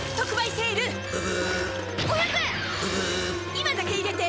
今だけ入れて！